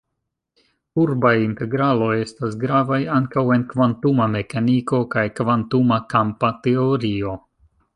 Kurbaj integraloj estas gravaj ankaŭ en kvantuma mekaniko kaj kvantuma kampa teorio.